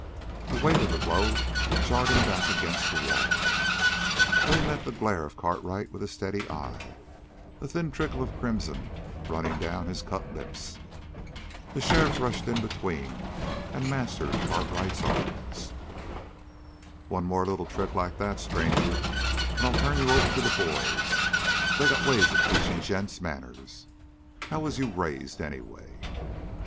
The weight of the blow jarred him back against the wall, but he met the glare of Cartwright with a steady eye, a thin trickle of crimson running down his cut lips. The sheriff rushed in between and mastered Cartwright's arms. "One more little trick like that, stranger, and I'll turn you over to the boys. They got ways of teaching gents manners. How was you raised, anyway?"